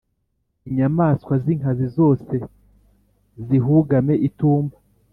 inyamaswa z’inkazi zose, zihugame itumba.»